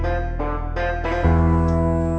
pagi pagi udah mandi